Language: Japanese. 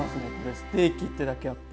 ステーキってだけあって。